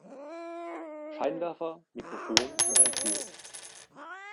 Scheinwerfer, Mikrofon und ein Stuhl.